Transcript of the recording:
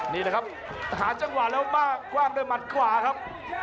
นี่แหละครับหาจังหวะเร็วมากกว้างด้วยมัตต์กว่าครับ